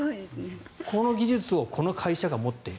この技術をこの会社が持っている。